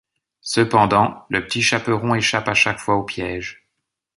Cependant, le Petit Chaperon échappe à chaque fois aux pièges.